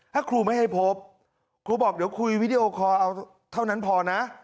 ถ้าครูไม่ให้พบครูบอกเดี๋ยวคุยวิดีโอคอลเอาเท่านั้นพอนะ